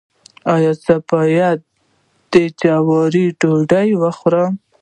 ایا زه باید د جوارو ډوډۍ وخورم؟